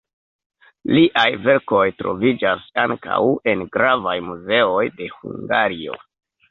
Liaj verkoj troviĝas ankaŭ en gravaj muzeoj de Hungario.